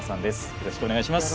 よろしくお願いします。